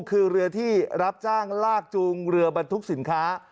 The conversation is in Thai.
คือเรือที่รับจ้างลากจูงเรือบรรทุกสินค้า